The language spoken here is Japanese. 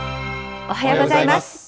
おはようございます。